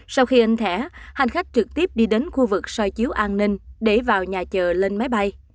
sau khi in thẻ hành khách trực tiếp đi đến khu vực xoay chiếu an ninh để vào nhà chờ lên máy bay